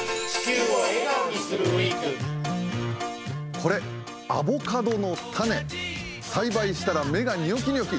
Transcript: これ、アボカドの種、栽培したら芽がニョキニョキ。